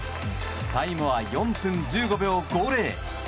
タイムは４分１５秒５０。